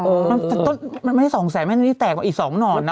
ต้นไม่ได้๒แสนแล้วนี้แตกออกอีก๒หน่อนนะ